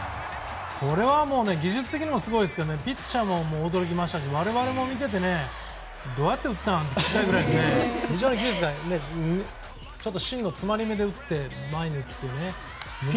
これは技術的にもすごいですけどピッチャーも驚きましたし我々も見ていてどうやって打った？っていうくらいちょっと芯の詰まりめで打って前に打つというね。